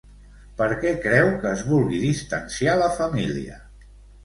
Per què creu que es vulgui distanciar la família?